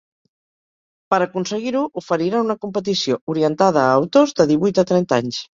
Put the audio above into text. Per aconseguir-ho, oferirà una competició orientada a autors de divuit a trenta anys.